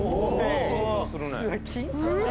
緊張するね。